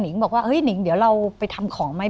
พี่เล็กก็บอกว่าเฮ้ยหนิงเดี๋ยวเราไปทำของไหม